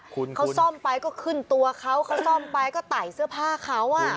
คุณเขาซ่อมไปก็ขึ้นตัวเขาเขาซ่อมไปก็ไต่เสื้อผ้าเขาอ่ะ